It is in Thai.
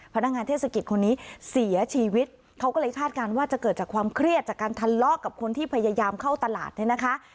พนักงานเทศกิจคนนี้เสียชีวิตเขาก็เลยคาดการณ์ว่าจะเกิดจากความเครียดจากการทะเลาะกับคนที่พยายามเข้าตลาดเนี่ยนะคะ